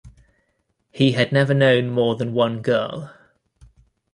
He had never known more than one girl.